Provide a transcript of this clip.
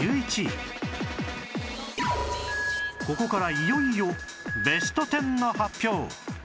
ここからいよいよベスト１０の発表